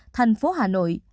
thành phố hà nội hải dương